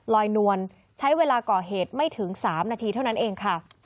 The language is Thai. ลอยนวลใช้เวลาก่อเหตุไม่ถึง๓นาทีเท่านั้นเองค่ะ